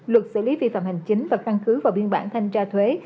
luật xử lý vi phạm hành chính và căn cứ vào biên bản thanh tra thuế